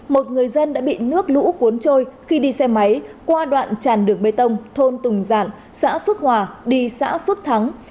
một người dân đã bị nước lũ cuốn trôi khi đi xe máy qua đoạn tràn đường bê tông thôn tùng giản xã phước hòa đi xã phước thắng